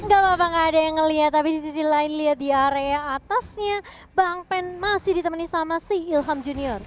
gak apa apa nggak ada yang ngeliat tapi di sisi lain lihat di area atasnya bang pen masih ditemani sama si ilham junior